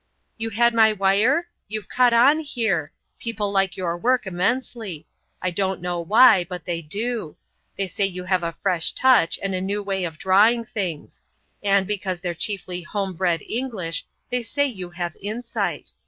"You had my wire? You've caught on here. People like your work immensely. I don't know why, but they do. They say you have a fresh touch and a new way of drawing things. And, because they're chiefly home bred English, they say you have insight.